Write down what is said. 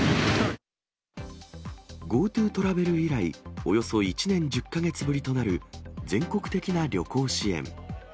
ＧｏＴｏトラベル以来、およそ１年１０か月ぶりとなる全国的な旅行支援。